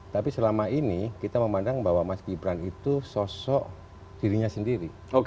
tapi selama ini kita memandang bahwa mas gibran itu sosok dirinya sendiri